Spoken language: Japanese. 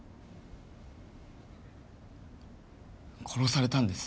殺されたんです。